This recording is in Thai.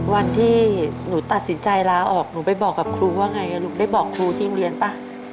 วันที่หนูตัดสินใจลาออกหนูไปบอกกับครูว่าไงลูกได้บอกครูที่โรงเรียนป่ะ